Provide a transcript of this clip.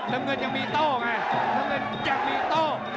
น้ำเงินยังมีโต้ไงน้ำเงินยังมีโต้